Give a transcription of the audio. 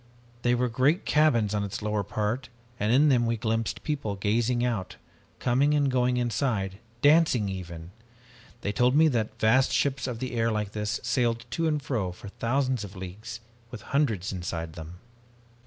There were great cabins on its lower part and in them we glimpsed people gazing out, coming and going inside, dancing even! They told me that vast ships of the air like this sailed to and fro for thousands of leagues with hundreds inside them.